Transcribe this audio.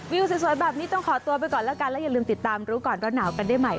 วิวสวยแบบนี้ต้องขอตัวไปก่อนแล้วกันและอย่าลืมติดตามรู้ก่อนร้อนหนาวกันได้ใหม่